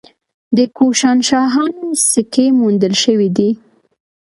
د کوشانشاهانو سکې موندل شوي دي